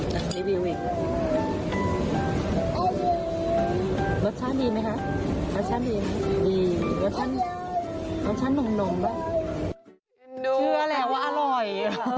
เชื่อแหละว่าอร่อย